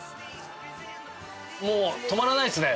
もう止まらないですね。